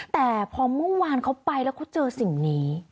แต่พอเมื่อวานเขาไปแล้วเขาเจอสิ่งนี้